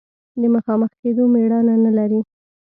د مخامخ کېدو مېړانه نه لري.